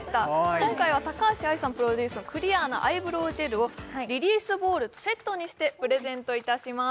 今回は高橋愛さんプロデュースのクリアのアイブロウジェルをリリースボールとセットにしてプレゼントいたします